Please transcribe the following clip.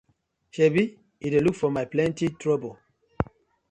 Sebi yu dey look for my plenty trouble.